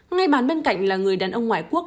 ngay bàn bên cạnh là người đàn ông ngoại quốc